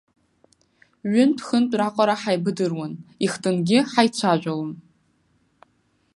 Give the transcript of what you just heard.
Ҩынтә-хынтә раҟара, ҳаибадыруан, ихтынгьы ҳаицәажәалон.